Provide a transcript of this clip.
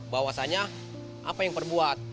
bahwasanya apa yang perbuat